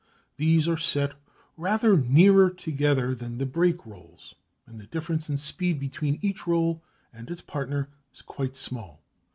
These are set rather nearer together than the break rolls, and the difference in speed between each roll and its partner is quite small.